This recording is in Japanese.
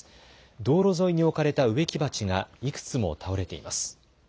道路沿いに置かれた植木鉢がいくつも倒れています。